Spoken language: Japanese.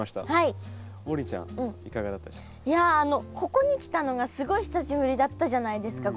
ここに来たのがすごい久しぶりだったじゃないですか。